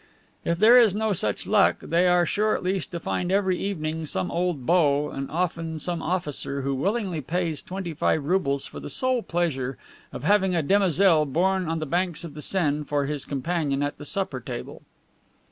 If there is no such luck, they are sure at least to find every evening some old beau, and often some officer, who willingly pays twenty five roubles for the sole pleasure of having a demoiselle born on the banks of the Seine for his companion at the supper table.